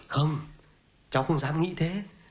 không cháu không dám nghĩ thế